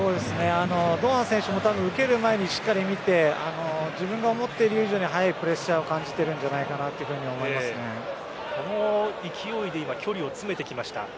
堂安選手も受ける前にしっかり見て自分が思っている以上に速いプレッシャーを感じてこの勢いで距離を詰めてきました。